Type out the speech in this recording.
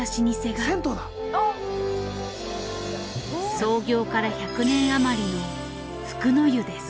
創業から１００年あまりの福の湯です。